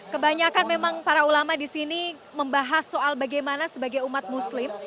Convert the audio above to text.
kebanyakan memang para ulama di sini membahas soal bagaimana sebagai umat muslim